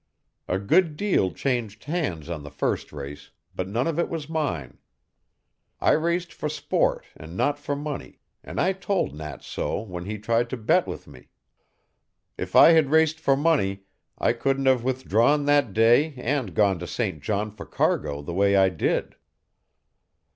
A good deal changed hands on the first race, but none of it was mine. I raced for sport and not for money, and I told Nat so when he tried to bet with me. If I had raced for money I couldn't have withdrawn that day and gone to St. John for cargo the way I did."